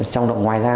trong đồng ngoài ra